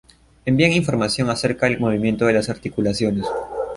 Envían información acerca del movimiento de las articulaciones.